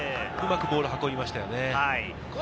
うまくボールを運びましたね。